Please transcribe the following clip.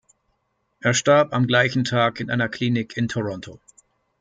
Er starb am gleichen Tag in einer Klinik in Toronto.